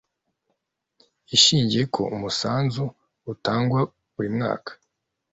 Ishingiye ko umusanzu utangwa buri mwaka